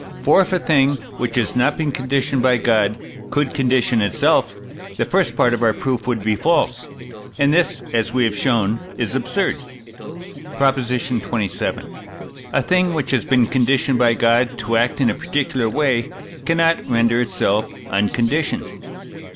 For if a thing, which has not been conditioned by God, could condition itself, the first part of our proof would be false, and this, as we have shown is absurd. PROP. XXVII. A thing, which has been conditioned by God to act in a particular way, cannot render itself unconditioned.